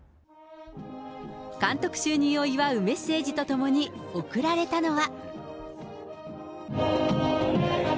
監督就任を祝うメッセージとともに送られたのは。